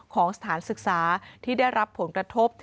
ของสถานศึกษาที่ได้รับผลกระทบ